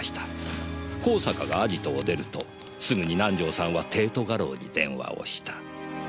香坂がアジトを出るとすぐに南条さんは帝都画廊に電話をした。